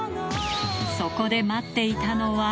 そこで待っていたのは。